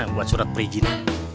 buat surat perizinan